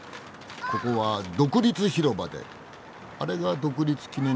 ここは独立広場であれが独立記念塔か。